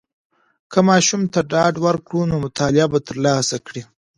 که ماشوم ته ډاډ ورکړو، نو مطالعه به تر لاسه کړي.